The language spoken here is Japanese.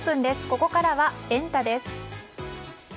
ここからはエンタ！です。